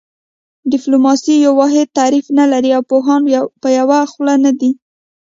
ډیپلوماسي یو واحد تعریف نه لري او پوهان په یوه خوله نه دي